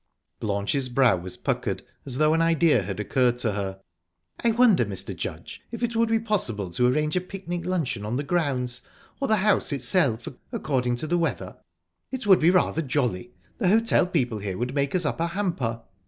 Blanche's brow was puckered, as though an idea had occurred to her. "I wonder, Mr. Judge, if it would be possible to arrange a picnic luncheon on the grounds or the house itself, according to the weather? It would be rather jolly. The hotel people here would make us up a hamper."